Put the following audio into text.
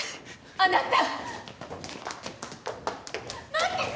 あなた！